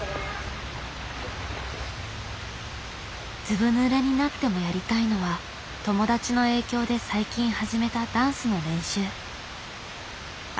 ずぶぬれになってもやりたいのは友達の影響で最近始めたダンスの練習。